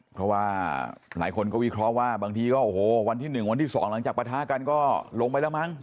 เพราะว่าหลายคนก็วิเคราะห์ว่าบางทีก็โอ้โหวันที่๑วันที่๒หลังจากประทะกันก็ลงไปแล้วมั้ง